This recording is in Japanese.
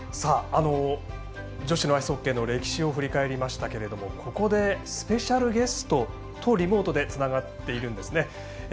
女子のアイスホッケーの歴史を振り返りましたけれどもスペシャルゲストとリモートでつながっているんです。